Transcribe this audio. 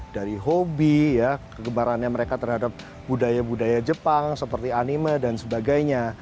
dari hobi ya kegemarannya mereka terhadap budaya budaya jepang seperti anime dan sebagainya